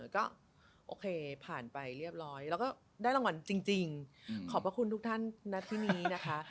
ก็โอเคผ่านไปเรียบร้อยแล้วก็ได้รางวัลจริงขอบพระคุณทุกท่านนัดที่นี้นะคะ